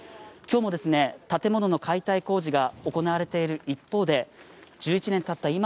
今日も建物の解体工事が行われている一方で１１年たった